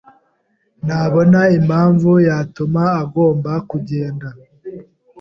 ntabona impamvu yatuma agomba kugenda.